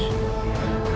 aku terus saja memimpin